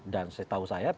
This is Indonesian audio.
dan setahu saya